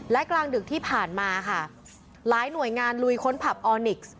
และกลางดึกที่ผ่านมาค่ะหลายหน่วยงานลุยค้นผับออนิกส์